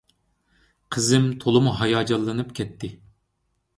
قىزىم تولىمۇ ھاياجانلىنىپ كەتتى.